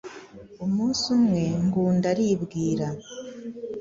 Umunsi umwe Ngunda aribwira,